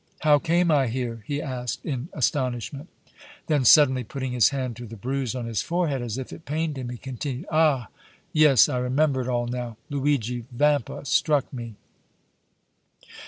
How came I here?" he asked, in astonishment. Then suddenly putting his hand to the bruise on his forehead, as if it pained him, he continued: "Ah! yes! I remember it all now! Luigi Vampa struck me!"